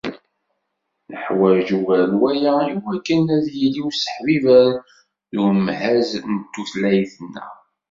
Nuḥwaǧ ugar n waya iwakken ad d-yili useḥbiber d umhaz n tutlayt-nneɣ.